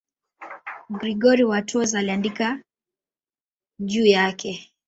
Gregori wa Tours aliandika juu yake.